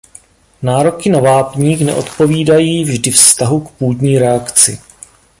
Nároky na vápník neodpovídají vždy vztahu k půdní reakci.